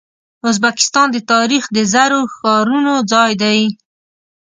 ازبکستان د تاریخ د زرو ښارونو ځای دی.